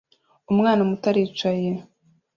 Umwana muto aricaye